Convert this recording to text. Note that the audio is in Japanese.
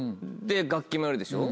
楽器もやるでしょ。